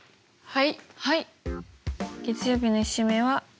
はい。